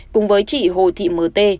cùng với chị hồ thị m t